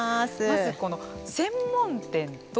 まずこの専門店と。